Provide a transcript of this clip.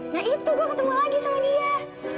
nah itu gue ketemu lagi sama dia